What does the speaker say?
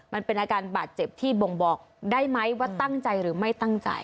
มันเป็นอาการบาดเจ็บที่บ่งบอกได้ไหมว่าตั้งใจหรือไม่ตั้งใจ